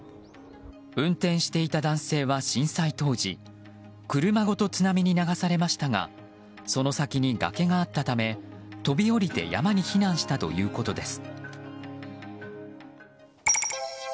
運転していた男性は震災当時車ごと津波に流されましたがその先に崖があったため飛び降りて山に避難したということです。